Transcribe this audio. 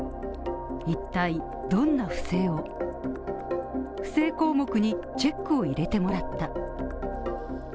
一体、どんな不正を不正項目にチェックを入れてもらった。